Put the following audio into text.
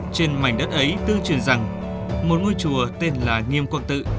trên mảnh đất ấy tương truyền rằng một ngôi chùa tên là nghiêm quang tự